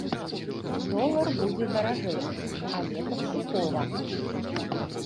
Долар будзе даражэць, але паступова.